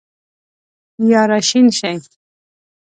یا راشین شي